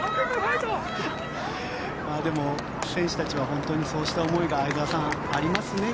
でも選手たちは本当にそうした思いが相澤さん、ありますね。